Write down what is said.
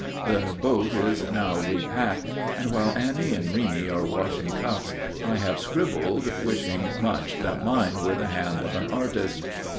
The boat is now repacked, and while Annie and Reeney are washing cups I have scribbled, wishing much that mine were the hand of an artist.